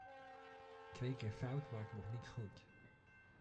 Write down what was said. Twee keer fout maakt nog niet goed!